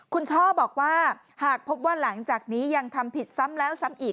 คุณช่อบอกว่าหากพบว่าหลังจากนี้ยังทำผิดซ้ำแล้วซ้ำอีก